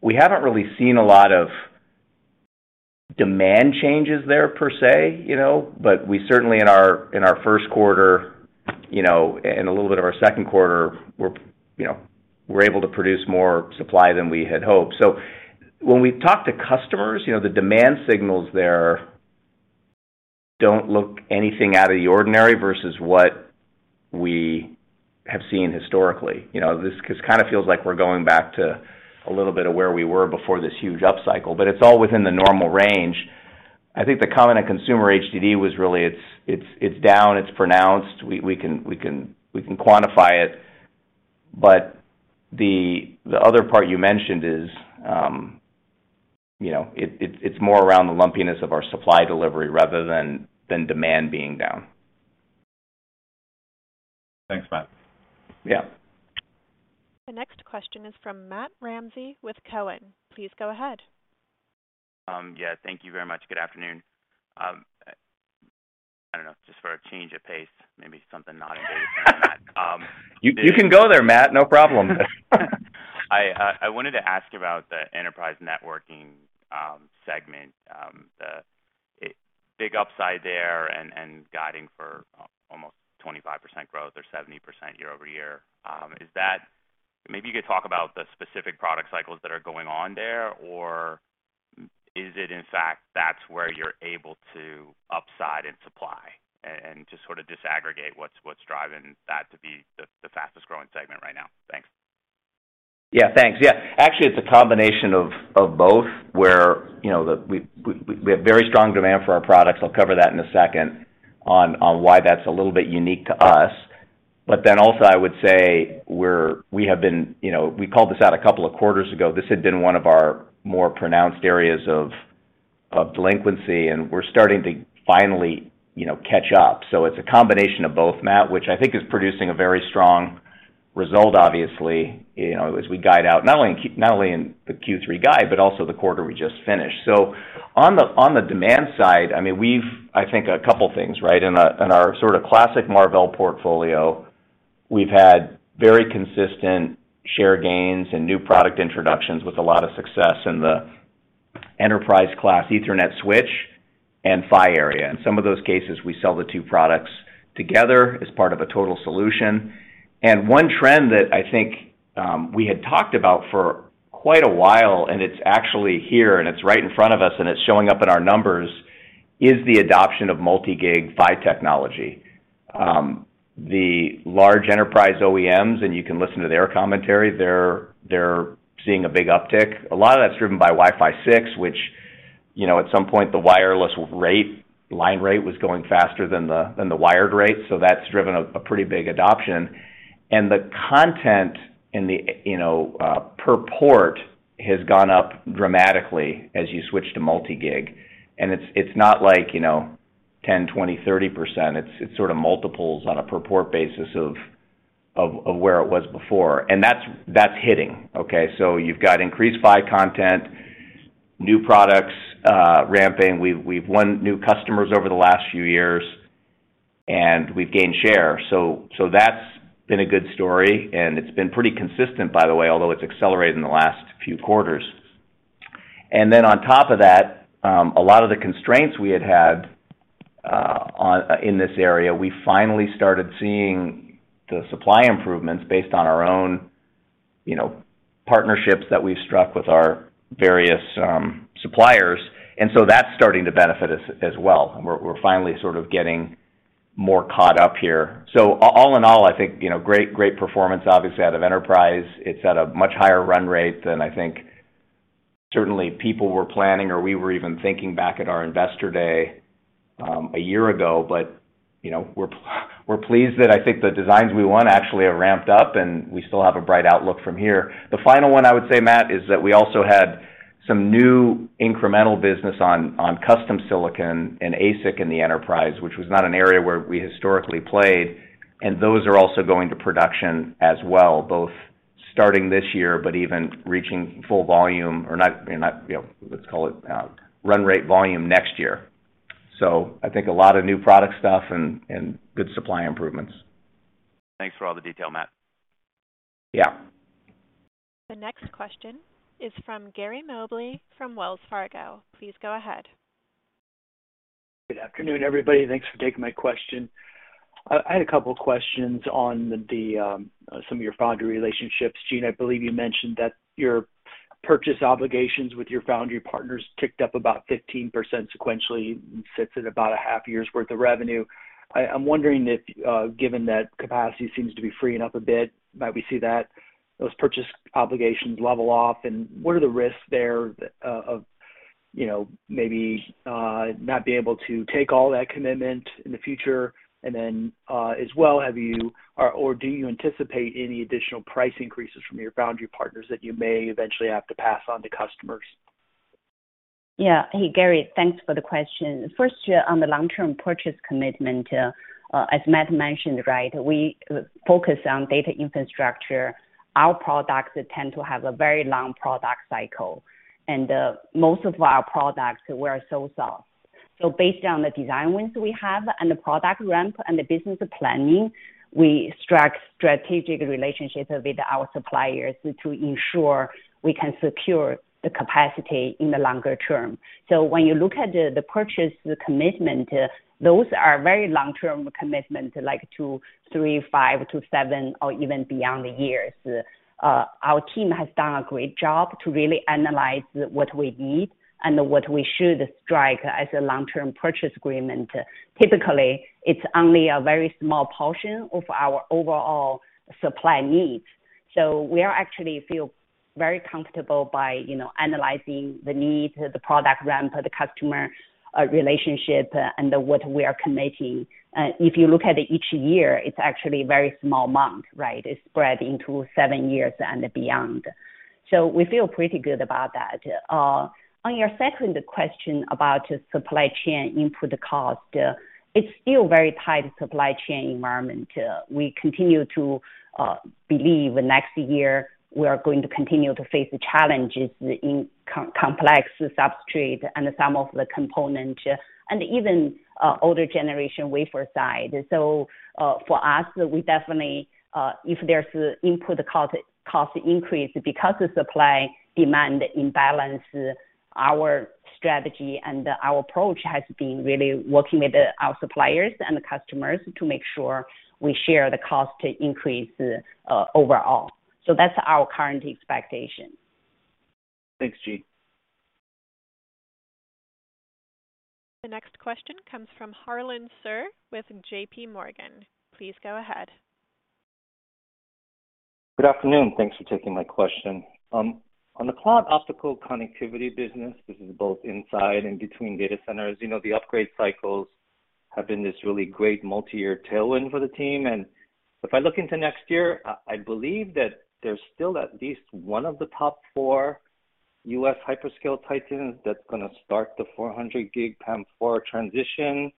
C: We haven't really seen a lot of demand changes there per se, you know, but we certainly in our first quarter, you know, and a little bit of our second quarter, we're you know, able to produce more supply than we had hoped. So when we talk to customers, you know, the demand signals there don't look anything out of the ordinary versus what we have seen historically. You know, 'cause it kind of feels like we're going back to a little bit of where we were before this huge upcycle, but it's all within the normal range. I think the comment on consumer HDD was really it's down. It's pronounced. We can quantify it. But the other part you mentioned is, you know, it's more around the lumpiness of our supply delivery rather than demand being down.
I: Thanks, Matt.
C: Yeah.
A: The next question is from Matt Ramsay with Cowen. Please go ahead.
J: Yeah, thank you very much. Good afternoon. I don't know, just for a change of pace, maybe something not in data center, Matt.
C: You can go there, Matt. No problem.
J: I wanted to ask about the enterprise networking segment, the big upside there and guiding for almost 25% growth or 70% year-over-year. Is that? Maybe you could talk about the specific product cycles that are going on there, or is it in fact that's where you're able to upside in supply and just sort of disaggregate what's driving that to be the fastest-growing segment right now? Thanks.
C: Yeah, thanks. Yeah. Actually, it's a combination of both, where you know we have very strong demand for our products. I'll cover that in a second on why that's a little bit unique to us. Then also I would say we have been, you know, we called this out a couple of quarters ago. This had been one of our more pronounced areas of delinquency, and we're starting to finally, you know, catch up. It's a combination of both, Matt, which I think is producing a very strong result, obviously, you know, as we guide out, not only in the Q3 guide, but also the quarter we just finished. On the demand side, I mean, I think a couple things, right? In our sort of classic Marvell portfolio, we've had very consistent share gains and new product introductions with a lot of success in the enterprise class Ethernet switch and PHY area. In some of those cases, we sell the two products together as part of a total solution. One trend that I think we had talked about for quite a while, and it's actually here, and it's right in front of us, and it's showing up in our numbers, is the adoption of multi-gig PHY technology. The large enterprise OEMs, and you can listen to their commentary, they're seeing a big uptick. A lot of that's driven by Wi-Fi 6, which, you know, at some point the wireless rate, line rate was going faster than the wired rate, so that's driven a pretty big adoption. The content in the, you know, per port has gone up dramatically as you switch to multi-gig. It's not like, you know, 10%, 20%, 30%. It's sort of multiples on a per port basis of where it was before. That's hitting, okay? You've got increased PHY content, new products ramping. We've won new customers over the last few years, and we've gained share. That's been a good story, and it's been pretty consistent, by the way, although it's accelerated in the last few quarters. On top of that, a lot of the constraints we had had in this area, we finally started seeing the supply improvements based on our own, you know, partnerships that we've struck with our various suppliers. That's starting to benefit us as well. We're finally sort of getting more caught up here. All in all, I think, you know, great performance, obviously, out of enterprise. It's at a much higher run rate than I think certainly people were planning or we were even thinking back at our investor day, a year ago. You know, we're pleased that I think the designs we won actually are ramped up, and we still have a bright outlook from here. The final one I would say, Matt, is that we also had some new incremental business on custom silicon and ASIC in the enterprise, which was not an area where we historically played, and those are also going to production as well, both starting this year but even reaching full volume or not, you know, let's call it, run rate volume next year. I think a lot of new product stuff and good supply improvements.
J: Thanks for all the detail, Matt.
C: Yeah.
A: The next question is from Gary Mobley from Wells Fargo. Please go ahead.
K: Good afternoon, everybody. Thanks for taking my question. I had a couple questions on some of your foundry relationships. Jean, I believe you mentioned that your purchase obligations with your foundry partners ticked up about 15% sequentially and sits at about a half year's worth of revenue. I'm wondering if given that capacity seems to be freeing up a bit, might we see that those purchase obligations level off, and what are the risks there of you know, maybe not being able to take all that commitment in the future? As well, have you or do you anticipate any additional price increases from your foundry partners that you may eventually have to pass on to customers?
D: Hey, Gary, thanks for the question. First, yeah, on the long-term purchase commitment, as Matt mentioned, right, we focus on data infrastructure. Our products tend to have a very long product cycle, and most of our products were so soft. Based on the design wins we have and the product ramp and the business planning, we strike strategic relationships with our suppliers to ensure we can secure the capacity in the longer term. When you look at the purchase commitment, those are very long-term commitments, like two, three, five-seven or even beyond the years. Our team has done a great job to really analyze what we need and what we should strike as a long-term purchase agreement. Typically, it's only a very small portion of our overall supply needs. We actually feel very comfortable by, you know, analyzing the needs, the product ramp, the customer relationship and what we are committing. If you look at each year, it's actually a very small amount, right? It's spread into seven years and beyond. We feel pretty good about that. On your second question about supply chain input cost, it's still very tight supply chain environment. We continue to believe next year we are going to continue to face challenges in complex substrate and some of the components, and even older generation wafer side. For us, we definitely, if there's input cost increase because of supply demand imbalance, our strategy and our approach has been really working with our suppliers and the customers to make sure we share the cost increase, overall. That's our current expectation.
K: Thanks, Jean.
A: The next question comes from Harlan Sur with JPMorgan. Please go ahead.
L: Good afternoon. Thanks for taking my question. On the cloud optical connectivity business, this is both inside and between data centers. You know, the upgrade cycles have been this really great multi-year tailwind for the team. If I look into next year, I believe that there's still at least one of the top four U.S. hyperscale titans that's gonna start the 400 gig PAM4 transition.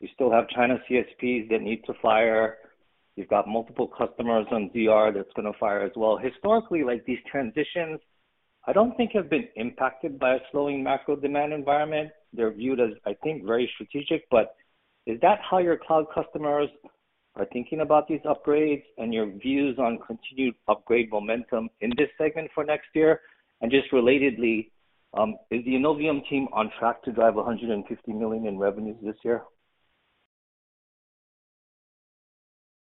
L: You still have China CSPs that need to fire. You've got multiple customers on ZR that's gonna fire as well. Historically, like, these transitions, I don't think have been impacted by a slowing macro demand environment. They're viewed as, I think, very strategic, but is that how your cloud customers are thinking about these upgrades and your views on continued upgrade momentum in this segment for next year? Just relatedly, is the Innovium team on track to drive $150 million in revenues this year?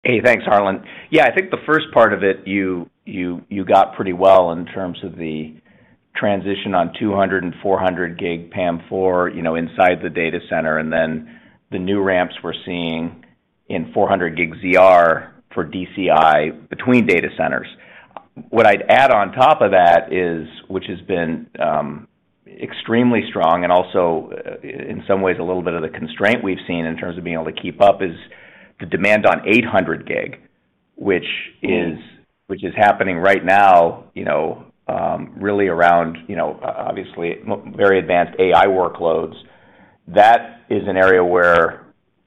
C: Hey, thanks, Harlan. Yeah, I think the first part of it, you got pretty well in terms of the transition on 200 and 400 gig PAM4, you know, inside the data center, and then the new ramps we're seeing in 400 gig ZR for DCI between data centers. What I'd add on top of that is, which has been extremely strong and also in some ways, a little bit of the constraint we've seen in terms of being able to keep up, is the demand on 800 gig, which is happening right now, you know, really around, you know, obviously very advanced AI workloads. That is an area where,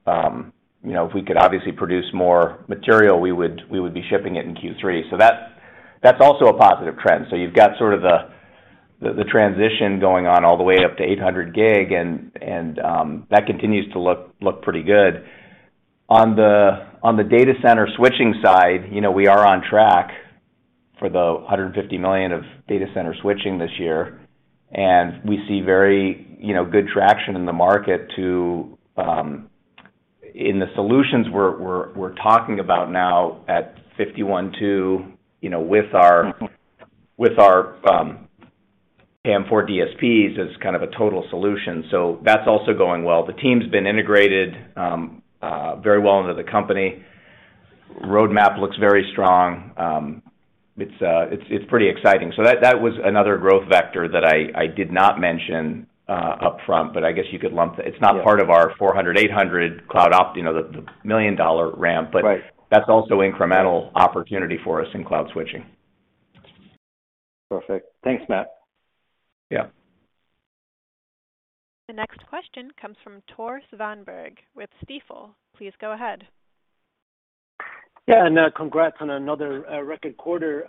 C: you know, if we could obviously produce more material, we would be shipping it in Q3. So that's also a positive trend. You've got sort of the transition going on all the way up to 800 gig, and that continues to look pretty good. On the data center switching side, you know, we are on track for the $150 million of data center switching this year, and we see very, you know, good traction in the market to, in the solutions we're talking about now at 51.2T, you know, with our PAM4 DSPs as kind of a total solution. That's also going well. The team's been integrated very well into the company. Roadmap looks very strong. It's pretty exciting. That was another growth vector that I did not mention upfront, but I guess you could lump it.
L: Yeah.
C: It's not part of our 400/800 cloud opt, you know, the million-dollar ramp.
L: Right.
C: That's also incremental opportunity for us in cloud switching.
L: Perfect. Thanks, Matt.
C: Yeah.
A: The next question comes from Tore Svanberg with Stifel. Please go ahead.
M: Yeah. Congrats on another record quarter.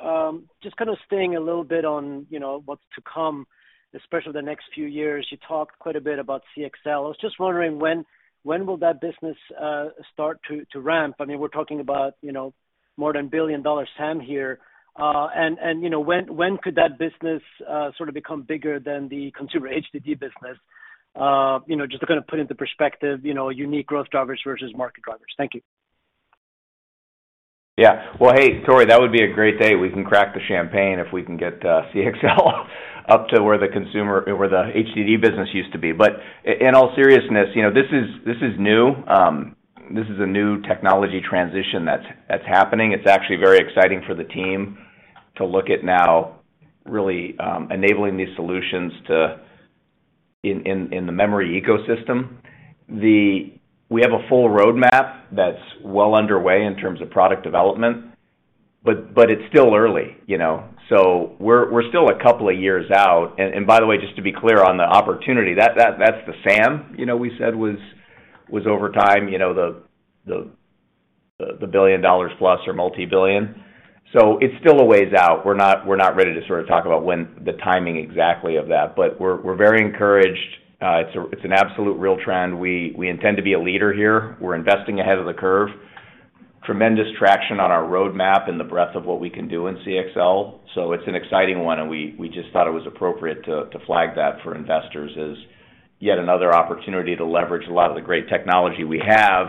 M: Just kind of staying a little bit on, you know, what's to come, especially the next few years. You talked quite a bit about CXL. I was just wondering when will that business start to ramp? I mean, we're talking about, you know, more than a billion-dollar TAM here. You know, when could that business sort of become bigger than the consumer HDD business? You know, just to kind of put into perspective, you know, unique growth drivers versus market drivers. Thank you.
C: Yeah. Well, hey, Tore, that would be a great day. We can crack the champagne if we can get CXL up to where the HDD business used to be. In all seriousness, you know, this is new. This is a new technology transition that's happening. It's actually very exciting for the team to look at now really enabling these solutions in the memory ecosystem. We have a full roadmap that's well underway in terms of product development, but it's still early, you know. We're still a couple of years out. By the way, just to be clear on the opportunity, that's the SAM, you know, we said was over time, you know, the $1 billion plus or multi-billion. It's still a ways out. We're not ready to sort of talk about the exact timing of that. We're very encouraged. It's absolutely a real trend. We intend to be a leader here. We're investing ahead of the curve. Tremendous traction on our roadmap and the breadth of what we can do in CXL. It's an exciting one, and we just thought it was appropriate to flag that for investors as yet another opportunity to leverage a lot of the great technology we have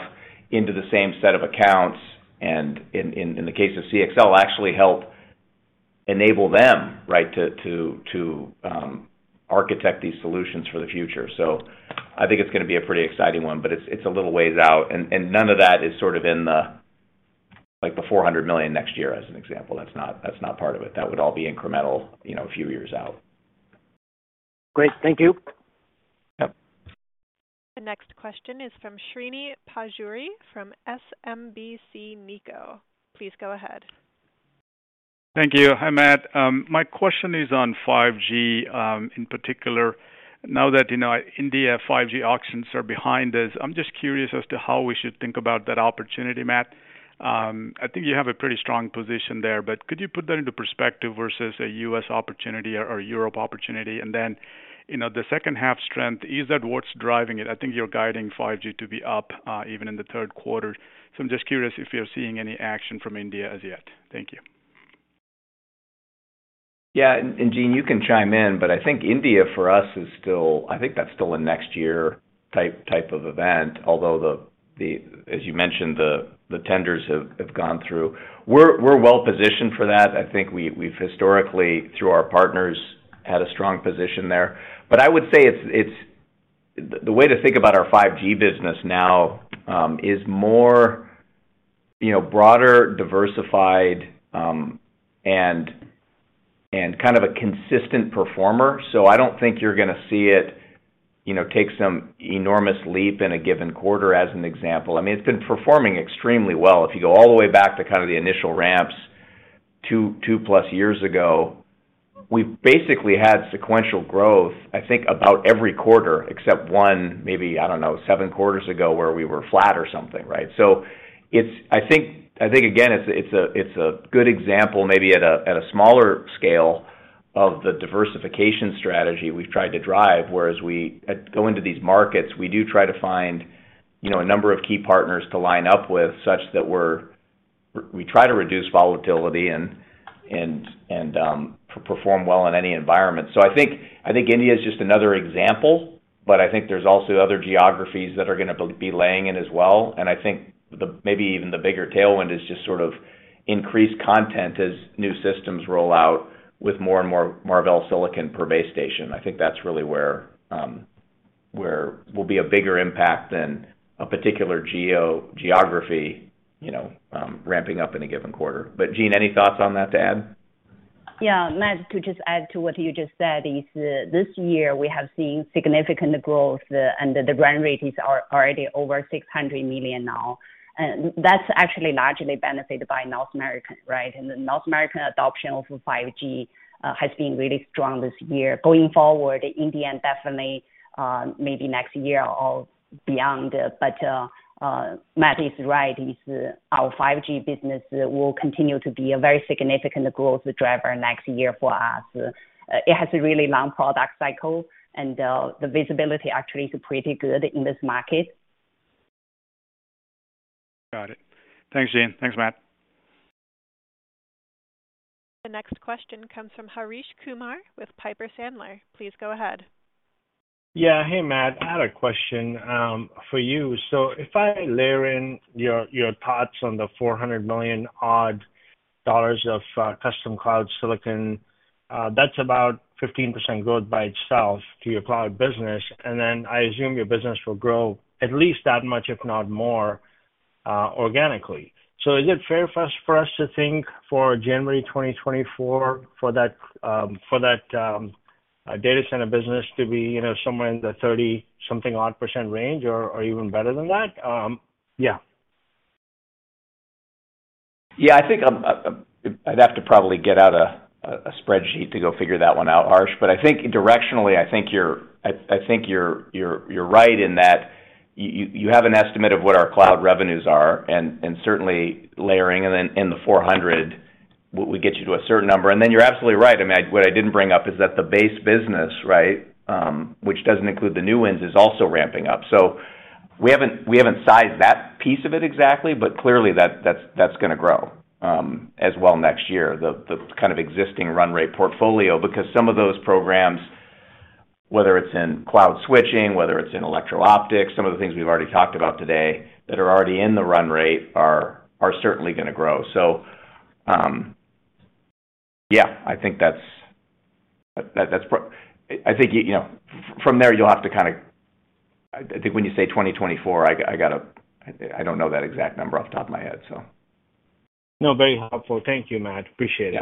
C: into the same set of accounts. In the case of CXL, actually help enable them, right, to architect these solutions for the future. I think it's gonna be a pretty exciting one, but it's a little ways out, and none of that is sort of in the, like, the $400 million next year as an example. That's not part of it. That would all be incremental, you know, a few years out.
M: Great. Thank you.
C: Yep.
A: The next question is from Srini Pajjuri from SMBC Nikko. Please go ahead.
N: Thank you. Hi, Matt. My question is on 5G, in particular. Now that, you know, India 5G auctions are behind us, I'm just curious as to how we should think about that opportunity, Matt. I think you have a pretty strong position there, but could you put that into perspective versus a U.S. opportunity or Europe opportunity? Then, you know, the second half strength, is that what's driving it? I think you're guiding 5G to be up, even in the third quarter. I'm just curious if you're seeing any action from India as yet. Thank you.
C: Yeah. Jean, you can chime in, but I think India for us is still. I think that's still a next year type of event, although as you mentioned, the tenders have gone through. We're well positioned for that. I think we've historically through our partners had a strong position there. I would say it's. The way to think about our 5G business now is more you know broader, diversified, and kind of a consistent performer. I don't think you're gonna see it you know take some enormous leap in a given quarter as an example. I mean, it's been performing extremely well. If you go all the way back to kind of the initial ramps two-plus years ago, we basically had sequential growth, I think about every quarter except one, maybe, I don't know, seven quarters ago where we were flat or something, right? I think it's a good example maybe at a smaller scale of the diversification strategy we've tried to drive, whereas we go into these markets, we do try to find, you know, a number of key partners to line up with such that we try to reduce volatility and perform well in any environment. I think India is just another example, but I think there's also other geographies that are gonna be playing in as well. I think the maybe even the bigger tailwind is just sort of increased content as new systems roll out with more and more Marvell silicon per base station. I think that's really where where will be a bigger impact than a particular geo-geography, you know, ramping up in a given quarter. Jean, any thoughts on that to add?
D: Matt, to just add to what you just said is, this year we have seen significant growth, and the run rate is already over $600 million now. That's actually largely benefited by North America, right? The North American adoption of 5G has been really strong this year. Going forward, India definitely maybe next year or beyond. Matt is right. Our 5G business will continue to be a very significant growth driver next year for us. It has a really long product cycle, and the visibility actually is pretty good in this market.
N: Got it. Thanks, Jean. Thanks, Matt.
A: The next question comes from Harsh Kumar with Piper Sandler. Please go ahead.
O: Yeah. Hey, Matt. I had a question for you. If I layer in your thoughts on the $400 million-odd of custom cloud silicon, that's about 15% growth by itself to your cloud business. I assume your business will grow at least that much, if not more, organically. Is it fair for us to think for January 2024 for that data center business to be, you know, somewhere in the 30-something-odd percent range or even better than that? Yeah.
C: Yeah, I think I'd have to probably get out a spreadsheet to go figure that one out, Harsh. I think directionally, you're right in that you have an estimate of what our cloud revenues are and certainly layering in the $400 will get you to a certain number. You're absolutely right. I mean, what I didn't bring up is that the base business, right, which doesn't include the new wins, is also ramping up. We haven't sized that piece of it exactly, but clearly that's gonna grow as well next year, the kind of existing run rate portfolio, because some of those programs whether it's in cloud switching, whether it's in electro optics, some of the things we've already talked about today that are already in the run rate are certainly gonna grow. Yeah, I think that's. You know, from there you'll have to kinda. I think when you say 2024, I gotta. I don't know that exact number off the top of my head, so.
O: No, very helpful. Thank you, Matt. Appreciate it.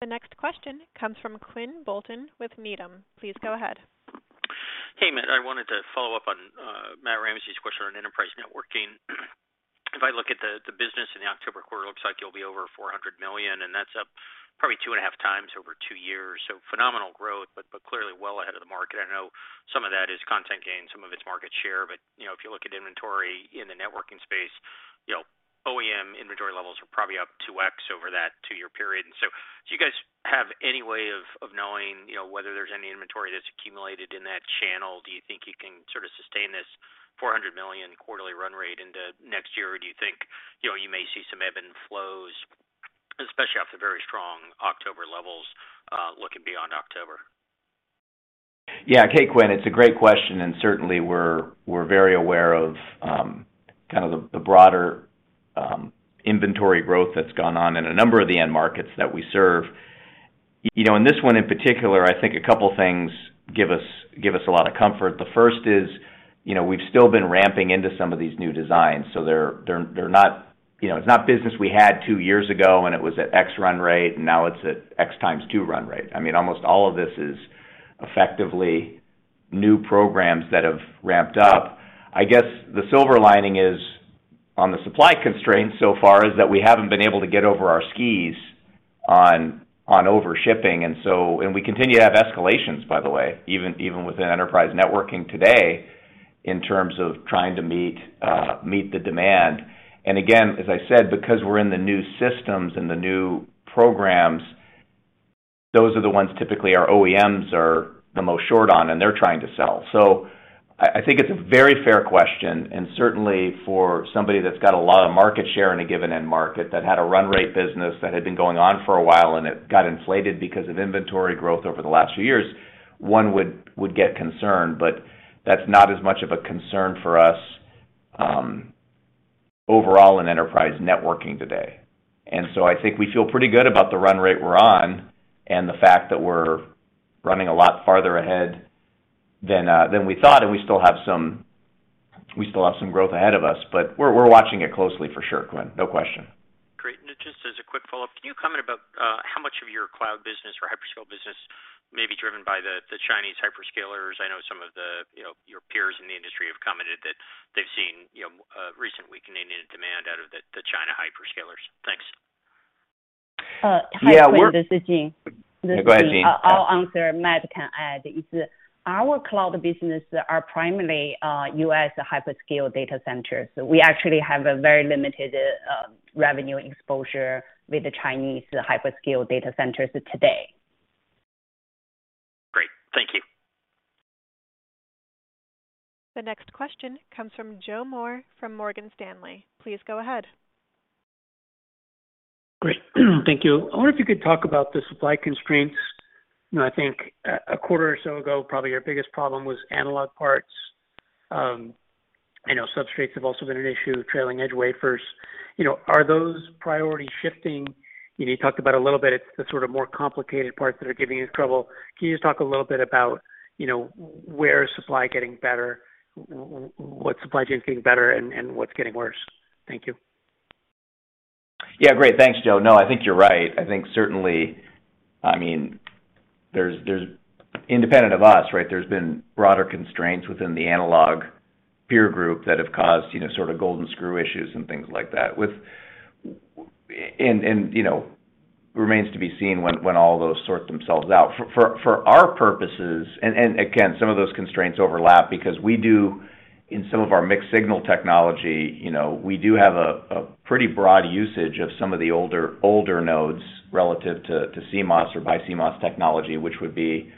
C: Yeah.
A: The next question comes from Quinn Bolton with Needham. Please go ahead.
P: Hey, Matt. I wanted to follow up on Matt Ramsay's question on enterprise networking. If I look at the business in the October quarter, it looks like you'll be over $400 million, and that's up probably 2.5x over two years. Phenomenal growth, but clearly well ahead of the market. I know some of that is content gain, some of it's market share, but you know, if you look at inventory in the networking space, you know, OEM inventory levels are probably up 2x over that two-year period. Do you guys have any way of knowing whether there's any inventory that's accumulated in that channel? Do you think you can sort of sustain this $400 million quarterly run rate into next year? Do you think, you know, you may see some ebb and flows, especially after very strong October levels, looking beyond October?
C: Yeah. Okay, Quinn, it's a great question, and certainly we're very aware of kind of the broader inventory growth that's gone on in a number of the end markets that we serve. You know, in this one in particular, I think a couple things give us a lot of comfort. The first is, you know, we've still been ramping into some of these new designs, so they're not. You know, it's not business we had two years ago, and it was at X run rate, and now it's at X times two run rate. I mean, almost all of this is effectively new programs that have ramped up. I guess the silver lining is, on the supply constraints so far, is that we haven't been able to get over our skis on over-shipping, and so. We continue to have escalations, by the way, even within enterprise networking today, in terms of trying to meet the demand. Again, as I said, because we're in the new systems and the new programs, those are the ones typically our OEMs are the most short on and they're trying to sell. I think it's a very fair question, and certainly for somebody that's got a lot of market share in a given end market that had a run rate business that had been going on for a while, and it got inflated because of inventory growth over the last few years, one would get concerned, but that's not as much of a concern for us overall in enterprise networking today. I think we feel pretty good about the run rate we're on and the fact that we're running a lot farther ahead than we thought, and we still have some growth ahead of us, but we're watching it closely for sure, Quinn. No question.
P: Great. Just as a quick follow-up, can you comment about how much of your cloud business or hyperscale business may be driven by the Chinese hyperscalers? I know some of the, you know, your peers in the industry have commented that they've seen, you know, a recent weakening in demand out of the China hyperscalers. Thanks.
C: Yeah.
D: Hi, Quinn. This is Jean.
C: Go ahead, Jean.
D: I'll answer. Matt can add. It's our cloud business are primarily, U.S. hyperscale data centers. We actually have a very limited, revenue exposure with the Chinese hyperscale data centers today.
P: Great. Thank you.
A: The next question comes from Joe Moore from Morgan Stanley. Please go ahead.
Q: Great. Thank you. I wonder if you could talk about the supply constraints. You know, I think a quarter or so ago, probably your biggest problem was analog parts. I know substrates have also been an issue, trailing edge wafers. You know, are those priorities shifting? You know, you talked about a little bit, it's the sort of more complicated parts that are giving you trouble. Can you just talk a little bit about, you know, where is supply getting better, what supply chain is getting better and what's getting worse? Thank you.
C: Yeah, great. Thanks, Joe. No, I think you're right. I think certainly, I mean, there's independent of us, right, there's been broader constraints within the analog peer group that have caused, you know, sort of GaN/SiC issues and things like that. You know, remains to be seen when all those sort themselves out. For our purposes, again, some of those constraints overlap because we do, in some of our mixed signal technology, you know, we do have a pretty broad usage of some of the older nodes relative to CMOS or BiCMOS technology, which would be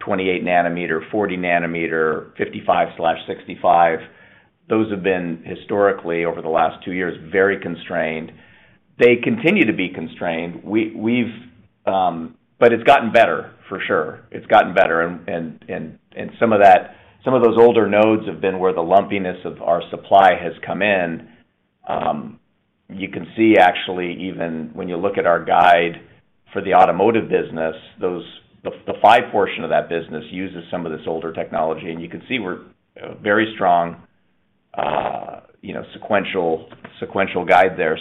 C: 28 nanometer, 40 nanometer, 55/65. Those have been historically, over the last two years, very constrained. They continue to be constrained. It's gotten better for sure. It's gotten better and some of those older nodes have been where the lumpiness of our supply has come in. You can see actually, even when you look at our guide for the automotive business, the 5% portion of that business uses some of this older technology, and you can see we're, you know, very strong, you know, sequential guide there.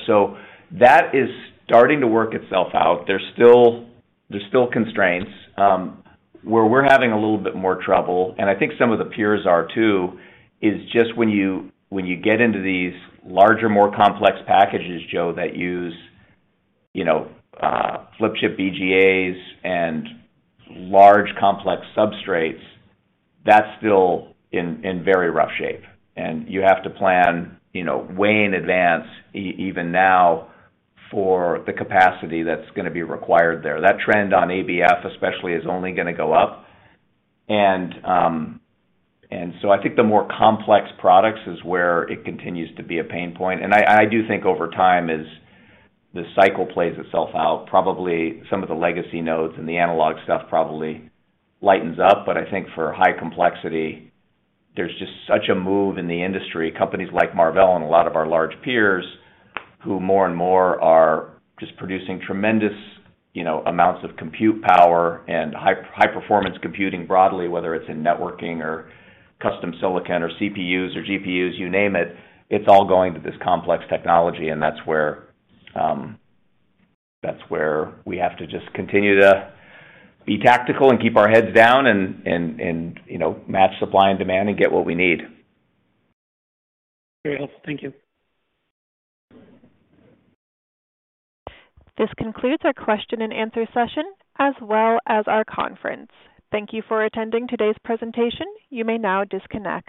C: That is starting to work itself out. There's still constraints. Where we're having a little bit more trouble, and I think some of the peers are too, is just when you get into these larger, more complex packages, Joe, that use, you know, flip chip BGAs and large complex substrates, that's still in very rough shape. You have to plan, you know, way in advance even now for the capacity that's gonna be required there. That trend on ABF especially is only gonna go up. I think the more complex products is where it continues to be a pain point. I do think over time as the cycle plays itself out, probably some of the legacy nodes and the analog stuff probably lightens up. I think for high complexity, there's just such a move in the industry, companies like Marvell and a lot of our large peers, who more and more are just producing tremendous, you know, amounts of compute power and high performance computing broadly, whether it's in networking or custom silicon or CPUs or GPUs, you name it. It's all going to this complex technology, and that's where we have to just continue to be tactical and keep our heads down and, you know, match supply and demand and get what we need.
Q: Very helpful. Thank you.
A: This concludes our question and answer session, as well as our conference. Thank you for attending today's presentation. You may now disconnect.